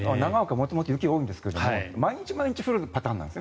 元々雪が多いんですが毎日降るパターンなんです。